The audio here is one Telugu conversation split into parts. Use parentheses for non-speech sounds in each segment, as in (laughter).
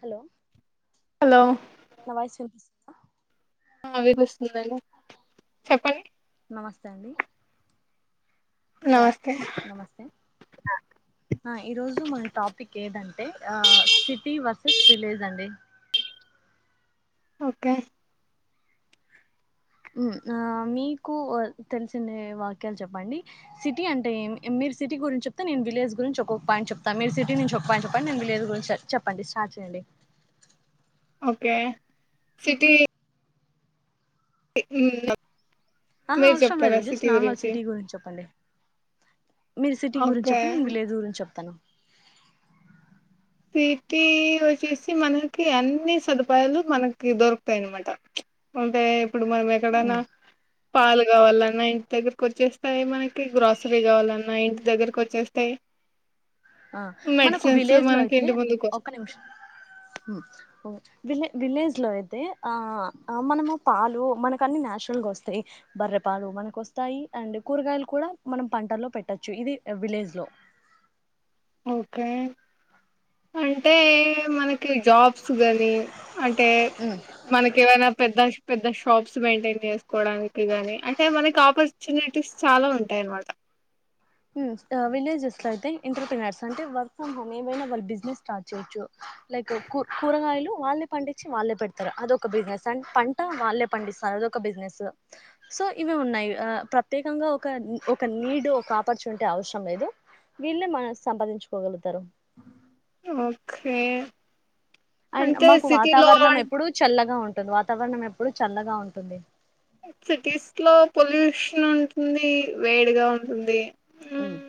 హలో హలో నా వాయిస్ వినిపి ఆ వినిస్తుందండి చెప్పండి నమస్తే అండి య నమస్తే నమస్తే ఆ ఈరోజు మన టాపిక్ ఏదం అంటే సిటీ వర్స్ స్ విలేజ్ అండి ఓకే మ్మ్ మీకు తెలిసిండే వాక్యాలు చెప్పండి సిటీ అంటే ఏమి మీరు సిటీ గురించి చెప్తే నేను విలేజ్ గురించి ఒకొక్క పాయింట్ చెప్తా మీరు సిటీ నుంచి ఒక పాయింట్ చెప్పండి నిను విలేజ్ గురించి చెప్పండి స్టార్ట్ చేయండి అండి ఓకే సిటీ (unintelligible) ఆహా అవసరం లేదు జస్ట్ నార్మల్ సిటీ గురించి చెప్పండి మీరు సిటీ గురించి ఓకే చెప్పండి నేను విలేజ్ గురించి చెప్తాను సిటీ వచ్చేసి మనకి అన్ని సదుపాయాలు మనకి దొరుకుతాయి అన్నమాట అంటే ఇప్పుడు మనం ఎక్కడన్నా ఉమ్ పాలు కావాలన్నా ఇంటి దగ్గరకు వచ్చేస్తాయి మనకి గ్రాసరీ కావాలన్నా ఇంటి దగ్గరకు వచ్చేస్తాయి ఆ మనకు మెడిసిన్స్ విలేజ్ లో మనకి అయితే ఇంటి ముందుకు ఒక్క వస్తాయి నిమిషం మ్మ్ ఓ విలే విలేజ్ లో అయితే ఆ మనము పాలు మనకు అన్ని న్యాచురల్ గా వస్తాయి బర్రె పాలు మనకు వస్తాయి అండ్ కూరగాయలు కూడా మనం పంటల్లో పెట్టొచ్చు ఇది విలేజ్ లో ఓకే అంటే మనకి జాబ్స్ గానీ అంటే మనకు ఏవన్నా పెద్ద హౌస్ పెద్ద షాప్స్ మెయింటైన్ చేసుకోవడానికి గాని అంటే మనకి ఆపర్చునిటీస్ చాలా ఉంటాయ అన్నమాట విలేజెస్ లో అయితే ఎంటర్ ప్రెనర్స్అంటే వర్క్ ఫ్రమ్ హోమ్ ఏవైనా వాళ్ళు బిజినెస్ స్టార్ట్ చేయొచ్చు లైక్ కూ కూరగాయలు వాళ్ళే పండించి వాళ్ళే పెడతారు అదొ ఒక బిజినెస్ అండ్ పంట వాళ్ళే పండిస్తారు అదొక బిజినెస్ సో ఇవి ఉన్నాయి ప్రత్యేకంగా ఒక ఒక నీడ్ ఒక ఆపర్చునిటీ అవసరం లేదు వీళ్ళే మన సంపాదించుకోగలుగుతారు ఓకే అండ్ అంటే మాకు సిటీలో వాతావరణం ఎప్పుడు చల్లగా ఉంటుంది వాతావరణం ఎప్పుడు చల్లగా ఉంటుంది సిటీస్ లో పొల్యూషన్ ఉంటుంది వేడిగా ఉంటుంది హ్మ్. మ్మ్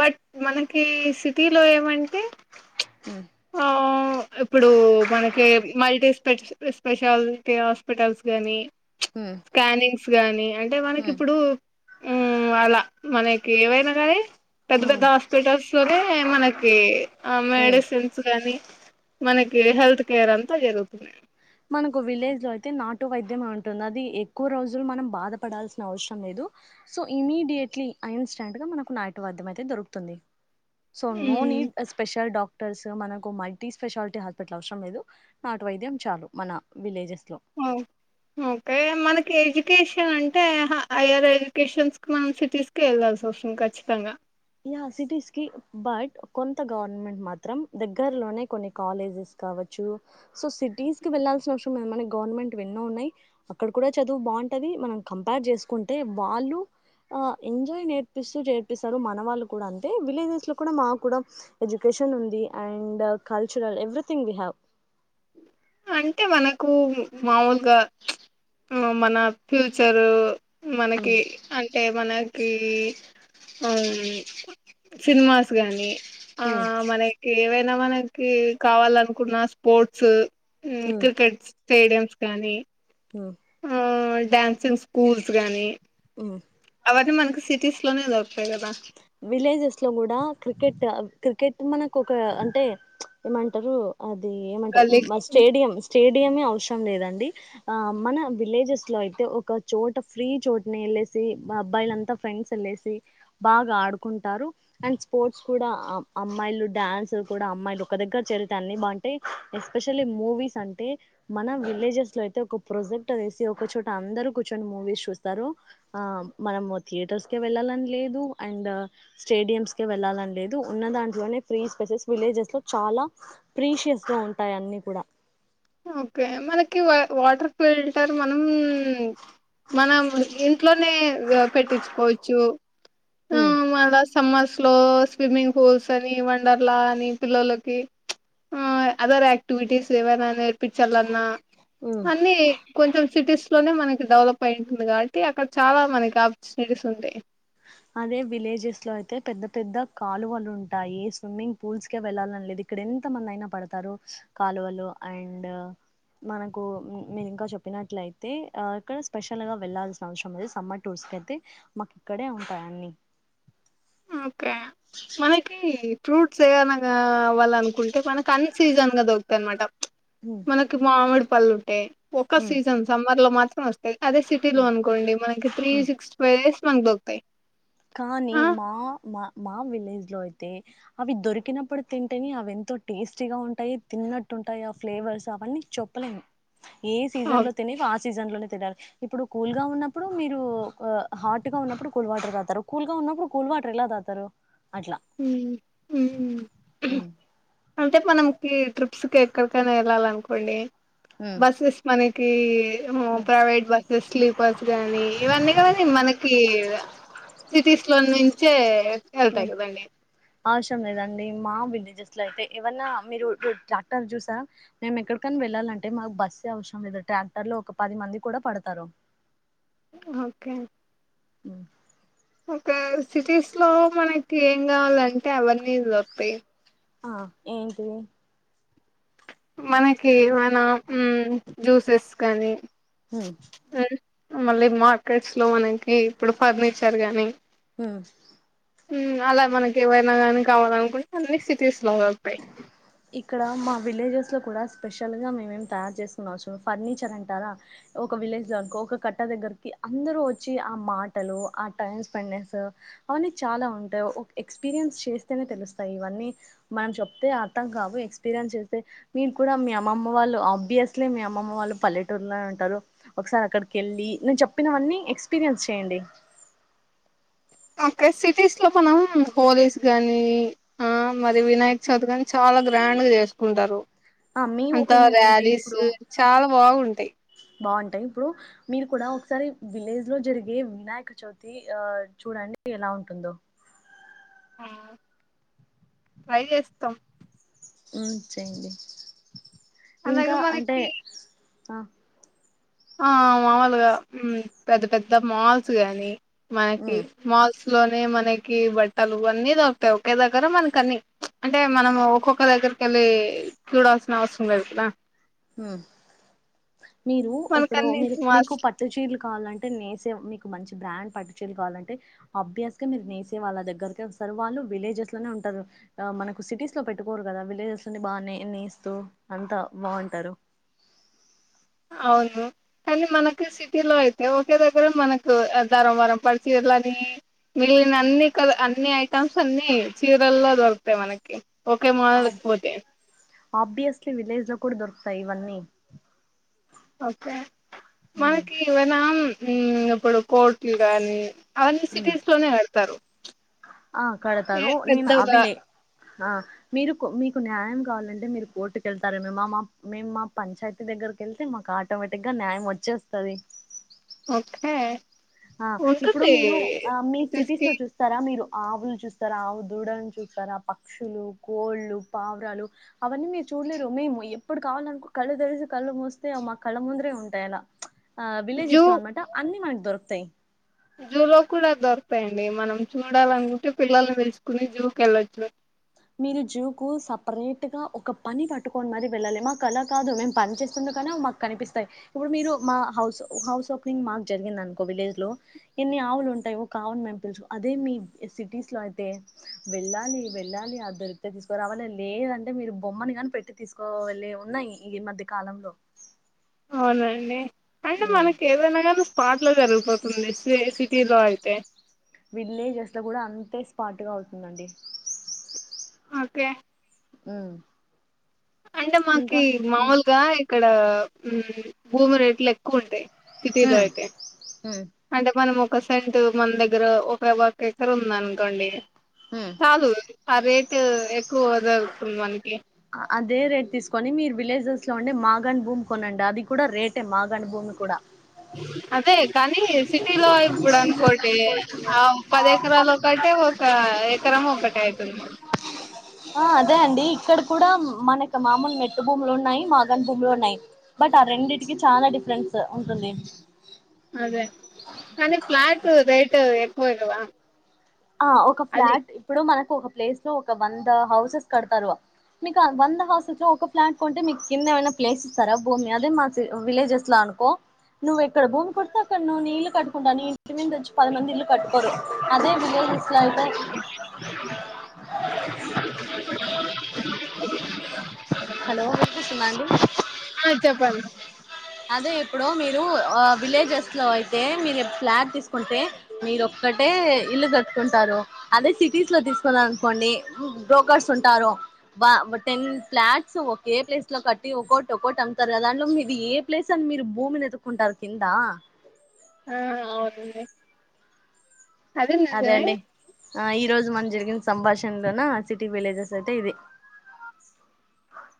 బట్ మనకి సిటీలో ఏమం టే ఉమ్ ఆ ఇప్పుడు మనకి మల్టీస్ స్పెడ్స్ స్పెషాలిటీ హాస్పిటల్స్ గాని ప్చ్ ఉమ్ స్కానింగ్స్ గాని అంటే మనకి ఉమ్ ఇప్పుడు ము అలా మనకి ఏవైనా గాయి పెద్ద పెద్ద ఉమ్ హాస్పిటల్స్ లోనే మనకి ఆ ఉమ్ మెడిసిన్స్ గాని మనకి హెల్త్ కేర్ అంతా జరుగుతున్నాయి మనకు విలేజ్ లో అయితే నాటు వైద్యం ఉంటుంది అది ఎక్కువ రోజులు మనం బాధపడాల్సిన అవసరం లేదు సో ఇమీడియట్లీ అన్నియాస్టెంట్ట్ గా మనకు నాటు వైద్యం అయితే దొరుకుతుంది so no need hmm a special doc doctors మనకు మల్టీ స్పెషాలిటీ హాస్పిటల్ అవసరం లేదు నాటు వైద్యం చాలు మన విలేజెస్ లో హ్మ్మ్ ఓకే మనకి ఎడ్యుకేషన్ అంటే హైయర్ ఎడ్యుకేషన్స్ కి మనం సిటీస్ కి వెళ్లాల్సి వస్తుంది ఖచ్చితంగా యా సిటీస్ కి బట్ కొంత గవర్నమెంట్ మాత్రం దగ్గర లోనే కొన్ని కాలేజెస్ కావచ్చు సో సిటీస్ కి వెళ్లాల్సిన అవసరం మన గవర్నమెంట్ ఎన్నో ఉన్నాయి అక్కడ కూడా చదువు బా అంటే అది మనం కంపేర్ చేకుంటే వాళ్ళు ఎంజాయ్ నేర్పిస్తూ చేర్పిస్తారు వాళ్ళు కూడా అంతే విలేజ్స్ లో కూడా ఎడ్యుకేషన్ ఉంది and cultural everything we have అంటే మనకు మామూలుగా మన ఫ్యూచర్ ఉమ్ మనకి అంటే మనకి ఆ సినిమాస్ గానీ ఆ ఉమ్ మన ఏవైనా మనకి కావాల అనుకున్న స్పోర్ట్స్ ఉమ్ క్రికెట్ స్టేడియంమ్స్ కానీ ఉ ఆ డ్యాన్సింగ్ స్కూల్స్ గాని ఉమ్ ఆది మనకి సిటీస్ లోనే దొరుకు విలేజెస్ లో కూడా క్రికెట్ క్రికెట్ మనకు ఒక అంటే ఏమంటారు అది ఏమంటారు గల్లీ స్టేడియంమ్స్ స్టేడియమే అవసరం లేదండి ఆ మన విలేజెస్ లో అయితే ఒక చోట ఫ్రీ చోటనే వెల్సి అబ్బాయిల అంతా ఫ్రెండ్స్ అల్సి బాగా ఆడుకుంటారు అండ్ స్పోర్ట్స్ కూడా అమ్మాయిలు డాన్స్ కూడా అమ్మాయిలు ఒక దగ్గర చే మిగతా అన్నీ బాగుంటాయి ఎస్పెషలీ మూవీస్ అంటే మన విలేజెస్ లో అయితే ఒక ప్రొజెక్టర్ వేసు ఒక చోట అందరు కూర్చొని మూవీస్ చూస్తారు ఆ మనము థియేటర్స్ కి వెళ్ళాలని లేదు అండ్ స్టేడియంస్ కే వెళ్ళాలని లేదు ఉన్న దాంట్లోనే ఫ్రీ స్పేసెస్ విలేజెస్ లో చాలా ప్రీషియస్ గా ఉంటాయి అన్నీ కూడా ఓకే మనకి వాటర్ ఫిల్టర్ మనం మనం ఇంట్లోనే పెట్టించుకోవచ్చు ఆ ఉమ్ మ సమ్మర్స్ లో స్విమ్మింగ్ పూల్స్ అని వండర్లా అని పిల్లలకి ఆ అదర్ ఆక్టివిటీీస్ ఏవైనా పిచర్లన్నా ఉమ్ అన్ని కొంచెం సిటీస్ లోనే మనకి డెవలప్ అయి ఉంటుంది కాబట్టి అక్కడ చాలా మనకి ఆపర్చునిటీస్ ఉంటాయి అదే విలేజెస్ లో అయితే పెద్ద పెద్ద కాలువలు ఉంటాయి స్విమ్మింగ్ పూల్స్ కె వెళ్ళాలిని లేదు ఇక్కడ ఎంత మంది అయినా పడతారు కాలువలు అండ్ మనకు మీరు ఇంకా చెప్పినట్లయితే ఆ ఇక్కడ స్పెషల్ గా వెళ్లాల్సిన అవసరం అది సమ్మర్ టూర్స్ కైతే మాకు ఇక్కడే ఉంటాయి అన్నీ మనకి ఫ్రూట్స్ ఏవనా అవ్వాలనుకు ఉంటే మనకి అన్సీజన్ గా దొకుతాయి అనమాట ఉమ్ మనకి మామిడి పళ్ళు ఉంటాయి ఒక ఉమ్ సీజన్ సమ్మర్ లో మాత్రం వస్తాంది అదే సిటీ లో అనుకోండి మనకి three um six five days మనకు దొరుకుతాయి కానీ మా ఆ మా మా విలేజ్ లో అయితే అవి దొరికినప్పుడు తింటేని అవింత ఎంతో టేస్టీగా ఉంటాయి తిన్నట్టు ఉంటాయి ఆ ఫ్లేవర్స్ అవన్నీ చెప్పలేం ఏ సీజన్ లో తినేటివి ఆ సీజన్ సీజన్ లోనే తినాలి ఇప్పుడు కూల్ గా ఉన్నప్పుడు మీరు హాట్ గా ఉన్నప్పుడు కూల్ వాటర్ తాగుతారు కూల్ ఉన్నప్పుడు కూల్ వాటర్ ఎలా తాగుతారు అట్లా ఉమ్ అంటే మనంకి ట్రిప్స్ కి ఎక్కడికైనా వెళ్ళాల అనుకోండి ఉమ్, బస్సెస్ మని ఈ ప్రైవేట్ బస్సెస్ స్లీపర్స్ గానీ ఇవన్నీనీ మనకి సిటీస్ లో నుంచే వెళ్తాయి కదండి ఆశం లేదాం మా విలేజెస్ లో అయితే ఏవన్నా మీరు ట్రాక్టర్ చూసా మేము ఎక్కడికనా వెళ్ళాలింటే మాకు బస్ అవసరం లేదుా ట్రాక్టర్ లో ఒక పది మంది కూడా పడతారు ఓకే ఉ ఒక సిటీస్ లో మనకి ఏం కావాలంటే అవన్నీ దొరుతాయి ఆ ఏంటిది మనకి మన జ్యూసెస్ కానీ హ మళ్ళీ మార్కెట్స్ లో మనకి ఇప్పుడు ఫర్నిచర్ గానీ ఉ అలా మనకి ఏవైనా కానీ కావాల అనుకుంటే అన్నీ సిటీస్లో దొరుకుతాయి ఇక్కడ మా విలేజెస్ లో కూడా స్పెషల్ గా మేమేం తయారు చేసుకున్నావచ్చు ఫర్నిచర్ అంటారా ఒక విలేజ్ వరకు ఒక కట్ట దగ్గరకి అందరు వచ్చి ఆ మాటలు ఆ టైమ్ స్పెండ్ చేస్త అన్ని చాలా ఉంటాయి ఎక్స్పీరియన్స్ చేస్తేనే తెలుస్తాయి ఇవన్నీ మనం చెప్తే అర్థం కావు ఎక్స్పీరియన్స్ చేస్తే మీరు కూడా మీ అమ్మమ్మ వాళ్ళు ఆబ్వియస్లీ మీ అమ్మమ్మ వాళ్ళు పల్లెటూరులో ఉంటారు ఒకసారి అక్కడికిెళ్ళి నేను చెప్పినవన్నీ ఎక్స్పీరియన్స్ చెయండి (unintelligible) అక్కడ సిటీస్ లో మనం హోలీస్ గానీ ఆ మరి వినాయక చౌదర్ గాని చాలా చాలా గ్రాండ్ గా చేసుకుంటారు ఆ మీ అంత ఒపీనియన్ ఏంటి ర్యాలీస్ ఇప్పుడు చాలా బాగుంటాయి బాగుంటాయి ఇప్పుడు మీరు కూడా ఒకసారి విలేజ్ లో జరిగే వినాయక చవితి ఆ చూడండి అ ఎలా ఉంటుందో ఆ ట్రై చేస్తాం చెయ్యడి ఇంకా అలాగే అంటే మనకి ఆ ఆ మాములుగా పెద్ద పెద్ద మాల్స్ గాని మనకి ఉమ్ మాల్స్ లోనే మనకి బట్టలువన్నీ దొరుకుతాయి ఒకే దగ్గర మనకన్ని అంటే మనం ఒక్కొక్క దగ్గర క చూడాల్సిన అవసరం లేదు కదా మీరు ఇప్పుడు మనకన్ని మీరు మీకు మాల్స్ పట్టు చీరలు కావాలంటే నేసే మీకు మంచి బ్రాండ్ పట్టిేది కావాలంటే అభ్యాస్ గా మీరు నేసే వాళ్ళ దగ్గరకే సరి వాళ్ళు విలేజెస్ లోనే ఉంటారు మనకు సిటీస్ లో పెట్టుకోరు కదా విలేజెస్ లోని బాగా నేస్తూ అంతా బాగుంటారు అవును కానీ మనకు సిటీలో అయితే ఒకే దగ్గర మనకు ధారంవరం పడిచీరలని మిగిలిన అన్ని క అన్ని ఐటమ్స్ అన్ని చీరల్లో దొరుకుతాయి మనకి ఒకే మానకి ఆబ్ పోతే ఆబ్వియస్లీ విలేజ్ లో కూడా దొరుకుతాయి ఇవన్నీ ఓకే ఉమ్ మనకివనా ఇప్పుడు కోట్లు గాని అన్న ఉమ్ సిటీస్ లోనే ఆడతారు ఆ కడతారు పెద్ద నేను అవిలే ఆ మీరు మీకు న్యాయం కావాలంటే మీరు కోర్టుకెళ్తార మేమ్ మా మేము మా పంచాయతీ దగ్గర దగ్గరిక వెళ్తే మాకు ఆటోమేటిక్ గా న్యాయం వచ్చేస్తుంది ఒకే ఆ ఇప్పుడు మీరు ఆ మీ సిటీస్ లో చూస్తారా మీరు ఆవులు చూస్తారా ఆవు దుడని చూస్తారా పక్షులు కోళ్ళలు పావురాలు అవన్నీ మీరు చూడలేరు మేము ఎప్పుడు కావాల అనుకో కళ్ళు తరిసి కళ్ళు మోస్తే మా కళ్ళ ముందరే ఉంటాయి అలా ఆ జూ విలేజెస్ లో అనమాటా అన్ని మ దొరకుతాయి జూ లో కూడా దొరుతాయండి మనం చూడాలనుకుంటే పిల్లల్ని తెలుసుకుని జూకి వెళ్ళొచ్చు మీరు జూకు సపరేట్ గా ఒక పని పట్టుకోని మరి వెళ్ళాలి మాకు అలా కాదు మేము పని చేస్తున్నా కనిపిస్తాయి ఇప్పుడు మీరు మా హౌస్ పెంగ్ మా జరిగిందినుకో విలేజ లో న్ని ఆవులు ఉంటాయి కావని మే పలుసు అదే మీ సిటీస్ లో అయితే వెళ్ళాలి వెళ్ళాలి అది దొరికితే తీసుకురావాలి లేదంటే మీరు బొమ్మని కాని పెట్టి తీసుకోవెళ్ళి ఉన్నాయి ఈ మధ్య కాలంలో అ అవునండి అంటే మనకి ఏదైనా కానీ స్పాట్ లో జరుగు పోతుంది ఏ సిటీలో అయితే విలేజెస్ లో కూడా అంతే స్పాట్గా అవుతుందండి ఓకే మ్మ్ అంటే మాకి మామూలుగా ఇక్కడ మ్మ్ భూమి రేట్లు ఎక్కువ ఉంటాయి సిటీ లో ఉమ్, అయితే ఉమ్, అంటే మనము పర్సెంట్ మన దగ్గర ఒకే ఒకేక్కరు ఉంది అనుకోండి ఉమ్. చాలు ఆ రేట్ టు ఎక్కువదొరుకుతుంది మనకి అదే రేట్ తీసుకొని మీరు విలేజెస్ లో ఉండే మాగాణ్ భూమి కొనండి అది కూడా రేటే మాగాణ్ భూమి కూడా అదే కానీ టిలో ఇప్పుడు అనుకోండి ఆ పది ఎకరాలు ఒకటే ఒక ఎకరం ఒకటే అయిత స ఆ అదే అండి ఇక్కడ కూడా మనకు మామూలు మెట్టు భూములు ఉన్నాయి మాగన్ భూములు ఉన్నాయి బట్ ఆ రెండిటి కి కీ చానా డిఫరెన్స్ ఉంటుంది అదే కాని ఫ్లాట్ రేటు ఎక్కువే కదా ఆ ఒక అది ఫ్లాట్ ఇప్పుడు మనకు ఒక ప్లేస్ లో ఒక వంద హౌసెస్ కడతారు మీకు వంద హౌసెస్ లో ఒక ఫ్లాట్ కొంటే మీకు కింద ఏమైనా ప్లేస్ ఇస్తారా భూమి అదే మా సి విలేజెస్ లో అ నుకో నువ్వు ఎక్కడ భూమి కుంటే అక్కడ నువ్ నీ ఇల్లు కట్టుకుంటావు నీ ఇంటి మిందొచ్చి పది మంది ఇల్ కట్టుకోరు అదే విలేజెస్ లో అయితే అ హలో వినిపిస్తుందా అండి ఆ చెప్పండి అదే ఇప్పుడో మీరు ఆ విలేజెస్ లో అయితే మీరు ఫ్లాట్ తీసుకుంటే మీరు ఒకటే ఇల్లు కట్టుకుంటారు అదే సిటీస్ లో తీసుకున్నారు అనుకోండి బ్రోకర్స్ ఉంటారు వా టెన్ ఫ్లాట్స్ ఒకే ప్లేస్ లో కట్టి ఒకోటొకోటి ఒకోటొకోటి అమ్తారు కద దాంట్లో మీది ఏ ప్లేస్ అని మీరు భూమిని ఎతుక్కుంటారు కింద ఆ అవునుండి అది అదే నిజమే అండి ఆ ఈ రోజు మన్ జరిగిన సంభాషణలోన సిటీ విలేజెస్ అయితే ఇది (inaudible)